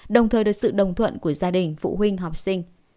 đồng thời được sự đồng thuận của gia đình phụ huynh học sinh